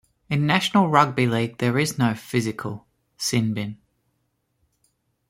In the National Rugby League, there is no "physical" sin bin.